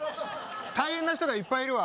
大変な人がいっぱいいるわ。